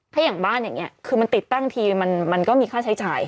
ถ้าอย่างบ้านอย่างนี้คือมันติดตั้งทีมันก็มีค่าใช้จ่าย